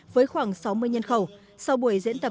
với khoảng sáu mươi nhân khẩu sau buổi diễn tập